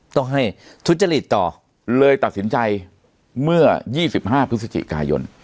ต้องให้ทุจริตต่อเลยตัดสินใจเมื่อ๒๕พฤศจิกายน